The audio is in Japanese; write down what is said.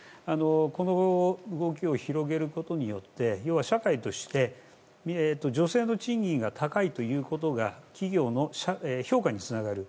この動きを広げることによって要は、社会として女性の賃金が高いということが企業の評価につながる。